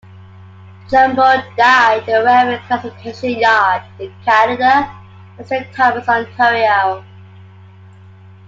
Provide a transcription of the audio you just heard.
Jumbo died at a railway classification yard in Canada at Saint Thomas, Ontario.